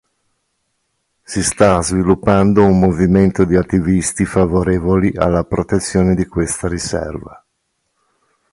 Si sta sviluppando un movimento di attivisti favorevoli alla protezione di questa riserva.